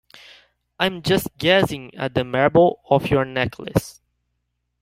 I'm just gazing at the marble of your necklace.